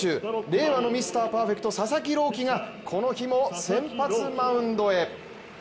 令和のミスターパーフェクト佐々木朗希がこの日も先発マウンドへ。